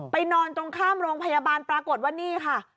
นอนตรงข้ามโรงพยาบาลปรากฏว่านี่ค่ะ